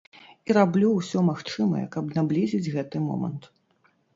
І раблю ўсё магчымае, каб наблізіць гэты момант.